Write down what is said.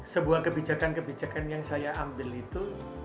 sebuah kebijakan kebijakan yang saya ambil itu